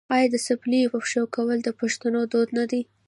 آیا د څپلیو په پښو کول د پښتنو دود نه دی؟